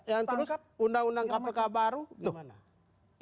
yang terus undang undang kpk baru gimana